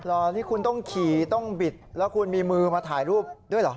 รอที่คุณต้องขี่ต้องบิดแล้วคุณมีมือมาถ่ายรูปด้วยเหรอ